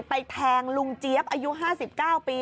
แทงลุงเจี๊ยบอายุ๕๙ปี